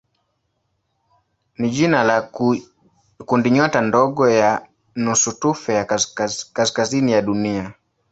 ni jina la kundinyota ndogo ya nusutufe ya kaskazini ya Dunia.